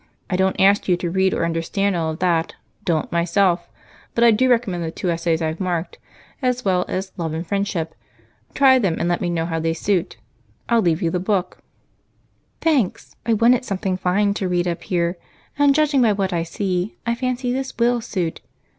I don't ask you to read or understand all of that don't myself but I do recommend the two essays I've marked, as well as 'Love' and 'Friendship.' Try them, and let me know how they suit. I'll leave you the book." "Thanks. I wanted something fine to read up here and, judging by what I see, I fancy this will suit.